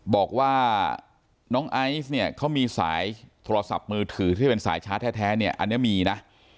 บอกว่าน้องไอซ์เนี่ยเขามีสายโทรศัพท์มือถือที่เป็นสายชาร์จแท้เนี่ยอันนี้มีนะ